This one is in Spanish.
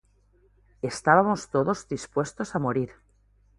Estábamos todos dispuestos a morir.